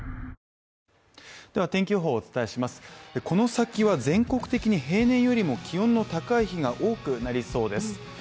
この先は、全国的に平年よりも気温の高い日が多くなりそうです。